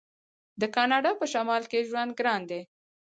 د کاناډا په شمال کې ژوند ګران دی.